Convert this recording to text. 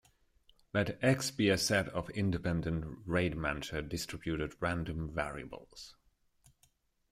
Let "X" be a set of independent Rademacher distributed random variables.